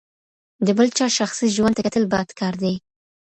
د بل چا شخصي ژوند ته کتل بد کار دی.